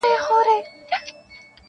دا متل مو د نیکونو له ټبر دی -